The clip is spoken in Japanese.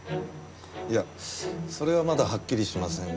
いやそれはまだはっきりしませんが。